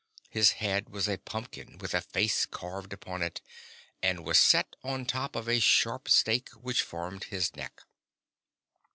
His head was a pumpkin with a face carved upon it, and was set on top a sharp stake which formed his neck.